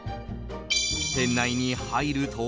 店内に入ると。